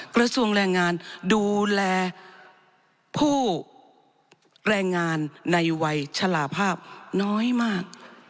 กระทรวงแรงงานดูแลผู้แรงงานในวัยฉลาภาพน้อยมาก